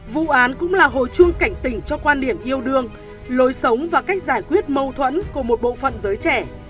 vụ án cũng là hồi chuông cảnh tỉnh cho quan điểm yêu đương lối sống và cách giải quyết mâu thuẫn của một bộ phận giới trẻ